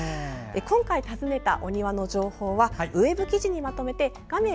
今回訪ねたお庭の情報はウェブ記事にまとめて画面